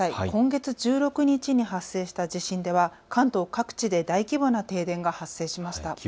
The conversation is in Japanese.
今月１６日に発生した地震では関東各地で大規模な停電が発生しました。